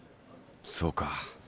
そうか。